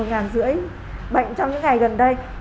gần một năm trăm linh bệnh trong những ngày gần đây